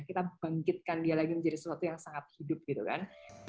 kita bangkitkan dia lagi menjadi sesuatu yang sangat hidup gitu kan